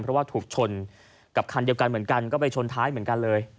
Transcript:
เพราะว่าถูกชนกับคันเดียวกันเหมือนกันก็ไปชนท้ายเหมือนกันเลย